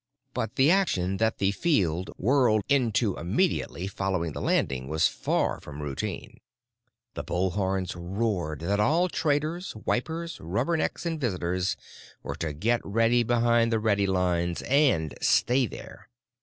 But the action that the field whirled into immediately following the landing was far from routine. The bullhorns roared that all traders, wipers, rubbernecks, and visitors were to get behind the ready lines and stay there.